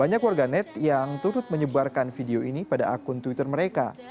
banyak warganet yang turut menyebarkan video ini pada akun twitter mereka